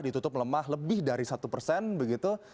ditutup melemah lebih dari satu persen begitu